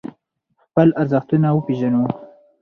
خپل ارزښتونه وپیژنو.